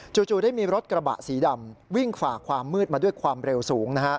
จู่ได้มีรถกระบะสีดำวิ่งฝ่าความมืดมาด้วยความเร็วสูง